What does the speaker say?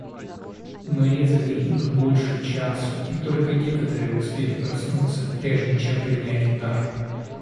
Мы резали их больше часу, и только некоторые успели проснуться, прежде чем принять удар.